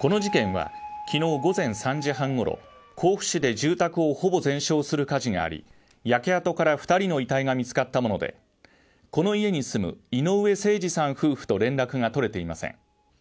この事件はきのう午前３時半ごろ甲府市で住宅をほぼ全焼する火事があり焼け跡から二人の遺体が見つかったものでこの家に住む井上盛司さん夫婦と連絡が取れていません